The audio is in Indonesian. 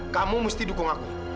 kamu mesti dukung aku